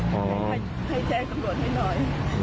ให้แจ้งตำรวจให้หน่อย